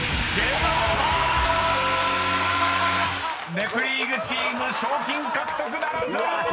［ネプリーグチーム賞品獲得ならず！］